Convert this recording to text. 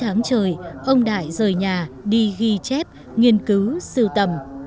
trong những tháng trời ông đại rời nhà đi ghi chép nghiên cứu sưu tầm